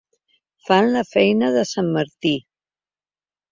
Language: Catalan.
Fan la feina de sant Martí.